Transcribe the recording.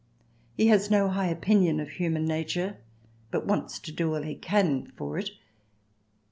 He has no high opinion of human nature, but wants to do all he can for it.